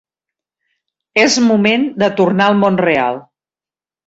És moment de tornar al món real.